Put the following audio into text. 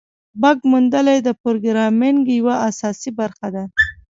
بګ موندل د پروګرامینګ یوه اساسي برخه ده.